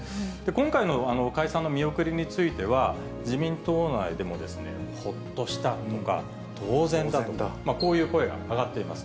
今回の解散の見送りについては、自民党内でも、ほっとしたとか、当然だとか、こういう声が上がっています。